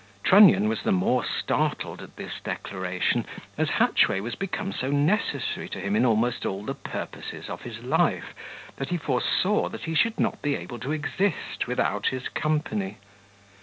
Trunnion was the more startled a this declaration, as Hatchway was become so necessary to him in almost all the purposes of his life, that he foresaw he should not be able to exist without his company.